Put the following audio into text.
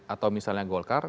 atau misalnya golkar